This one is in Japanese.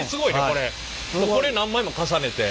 これ何枚も重ねて？